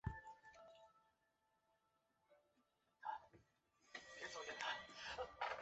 另一派则主张在台设立拥有军警等特别公权力的特别行政区。